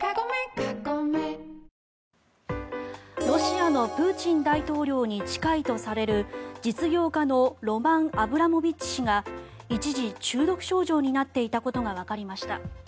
ロシアのプーチン大統領に近いとされる実業家のロマン・アブラモビッチ氏が一時、中毒症状になっていたことがわかりました。